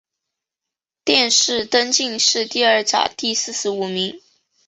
殿试登进士第二甲第四十五名。